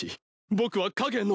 僕は影の。